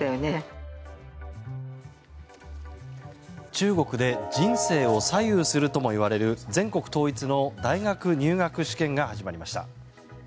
中国で人生を左右するともいわれる全国統一の大学入学試験が始まりました。